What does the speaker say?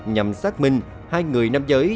nhằm xác minh hai người nam giới